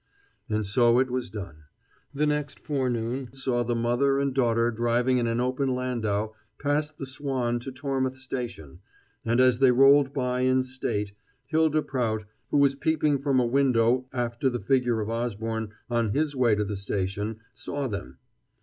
And so it was done. The next forenoon saw the mother and daughter driving in an open landau past the Swan to Tormouth station, and, as they rolled by in state, Hylda Prout, who was peeping from a window after the figure of Osborne on his way to the station, saw them.